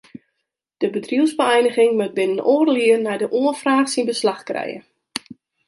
De bedriuwsbeëiniging moat binnen oardel jier nei de oanfraach syn beslach krije.